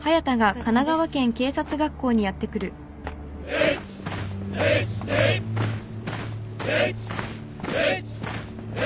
１１１・２！